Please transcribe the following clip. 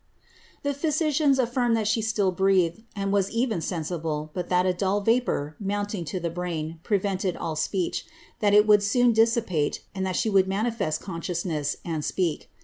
*^ The physicians aflirmed tliat she still breathed, and was even sen ible^ but that a dull vapour, mounting to the brain, prevented all speech, Ikat it would soon dissipate, and that she would manifest consciousness, lad speak.